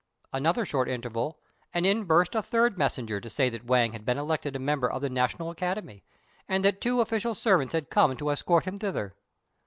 Another short interval, and in burst a third messenger to say that Wang had been elected a member of the National Academy, and that two official servants had come to escort him thither.